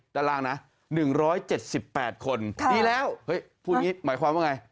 ด้านล่างนะ๑๗๘คนดีแล้วเฮ้ยพูดอย่างนี้หมายความว่าไง